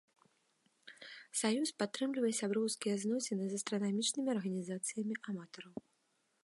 Саюз падтрымлівае сяброўскія зносіны з астранамічнымі арганізацыямі аматараў.